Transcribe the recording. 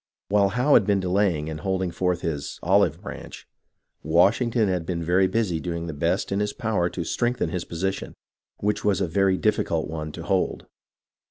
While Howe had been delaying, and holding forth his " olive branch," Washington had been very busy in doing the best in his power to strengthen his position, which was a very difficult one to hold.